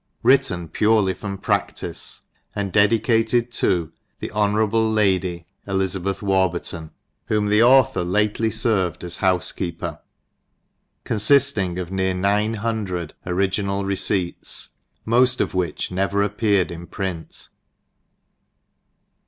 Written purely from PRACTICE, AND DEDICATED TO THE Hon. LADY ELIZABETH WARBURTON, Whom the Author lately fervcd as Houfekteepcr : Confiftiiig of near Nine hundred Original Receipts, moft of which never appeared in Print.